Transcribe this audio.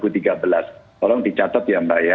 tolong dicatat ya mbak ya